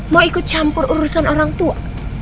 mau ikut campur urusan orang tua